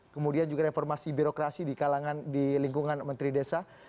kemudian juga reformasi birokrasi di kalangan di lingkungan menteri desa